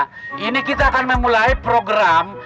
jadi kita akan memulai program